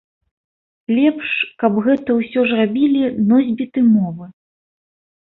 Лепш, каб гэта ўсё ж рабілі носьбіты мовы.